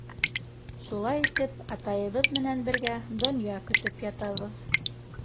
Шулай итеп атайыбыҙ менән бергә донъя көтөп ятабыҙ.